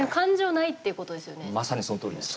まさに、そのとおりです。